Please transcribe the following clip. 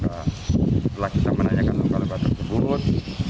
setelah kita menanyakan tukang tukang tersebut